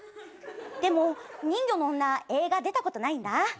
でも人魚の女映画出たことないんだ。